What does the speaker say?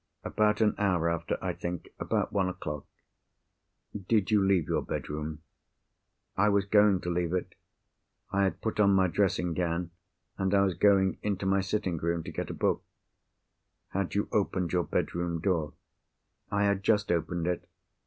"About an hour after, I think. About one o'clock." "Did you leave your bedroom?" "I was going to leave it. I had put on my dressing gown; and I was going into my sitting room to get a book——" "Had you opened your bedroom door?" "I had just opened it."